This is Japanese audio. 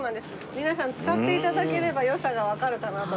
皆さん使って頂ければ良さがわかるかなと。